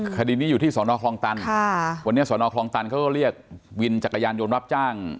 คดีนี้อยู่ที่สอนอคลองตันวันนี้สอนอคลองตันเขาก็เรียกวินจักรยานยนต์รับจ้าง